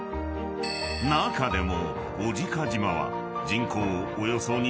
［中でも］